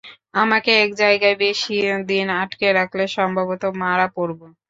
আমাকে এক জায়গায় বেশী দিন আটকে রাখলে সম্ভবত মারা পড়ব।